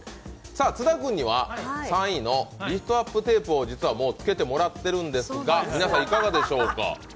津田君には、３位のリフトアップテープを実はもうつけてもらっているんですが、皆さん、いかがでしょうか？